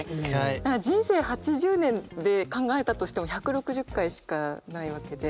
人生８０年で考えたとしても１６０回しかないわけで。